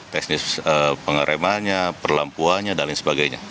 teknis pengeremannya perlampuannya dan lain sebagainya